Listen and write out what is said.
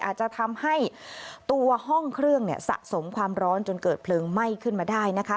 อาจจะทำให้ตัวห้องเครื่องเนี่ยสะสมความร้อนจนเกิดเพลิงไหม้ขึ้นมาได้นะคะ